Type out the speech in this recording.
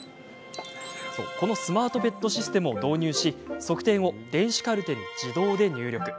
このスマートベッドシステムを導入し測定後、電子カルテに自動で入力。